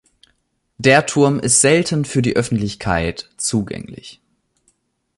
Der Turm ist selten für die Öffentlichkeit zugänglich.